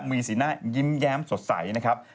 มีสีหน้ายิ้มแย้มสดใสนะครับ